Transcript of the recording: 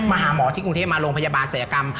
หาหมอที่กรุงเทพมาโรงพยาบาลศัยกรรม